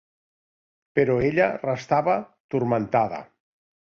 Però ella restava turmentada.